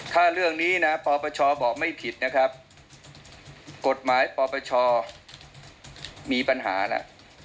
ถ้าเรื่องนี้นะปปชบอกไม่ผิดนะครับกฎหมายปปชมีปัญหาแล้ว